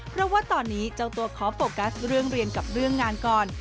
เพราะว่าตอนนี้เจ้าตัวขอโฟกัสเรื่องเรียนกับเรื่องงานก่อน